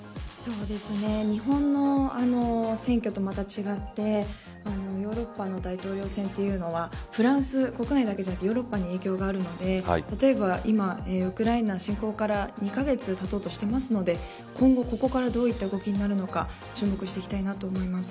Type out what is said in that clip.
日本の選挙とはまた違ってヨーロッパの大統領選というのはフランス国内だけではなくてヨーロッパに影響があるので例えば今、ウクライナ侵攻から２カ月たとうとしているので今後ここからどういった動きになるのか注目していきたいと思います。